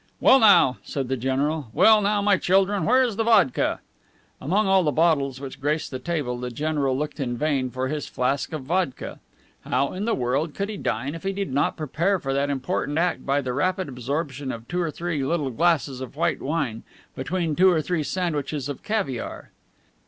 "Well, now," said the general, "well, now my children, where is the vodka?" Among all the bottles which graced the table the general looked in vain for his flask of vodka. How in the world could he dine if he did not prepare for that important act by the rapid absorption of two or three little glasses of white wine, between two or three sandwiches of caviare!